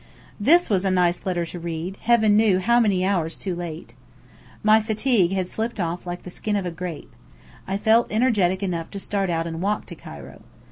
This was a nice letter to read, heaven knew how many hours too late! My fatigue had slipped off like the skin off a grape. I felt energetic enough to start out and walk to Cairo.